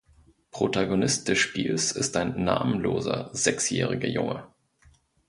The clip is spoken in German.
Protagonist des Spiels ist ein namenloser sechsjähriger Junge.